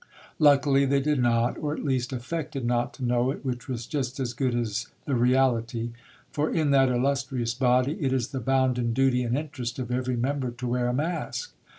Luckily the}' did not, or at least affected not to know it, which was just as good as the real ty ; for, in that illustrious body, it is the bounden duty and interest of every member to wear a mask.